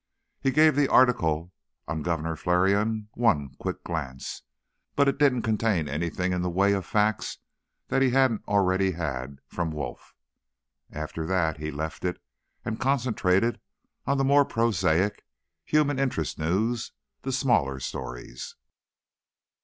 He gave the article on Governor Flarion one quick glance, but it didn't contain anything in the way of facts that he hadn't already had from Wolf. After that, he left it and concentrated on the more prosaic, human interest news, the smaller stories.